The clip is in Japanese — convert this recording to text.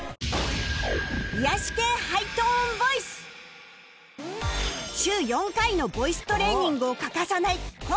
週４回のボイストレーニングを欠かさない今回の最年少